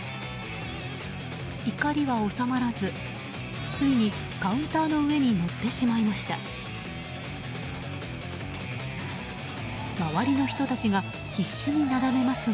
怒りは収まらずついにカウンターの上に乗ってしまいました。